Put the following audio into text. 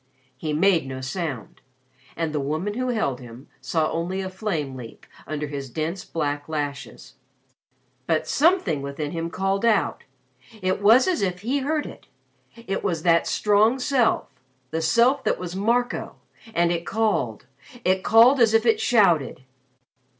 He made no sound, and the woman who held him saw only a flame leap under his dense black lashes. But something within him called out. It was as if he heard it. It was that strong self the self that was Marco, and it called it called as if it shouted.